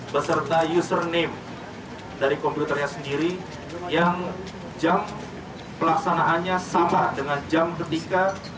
beserta user name dari komputernya sendiri yang jam pelaksanaannya sama dengan jam ketika